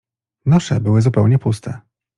Nosze były zupełnie puste.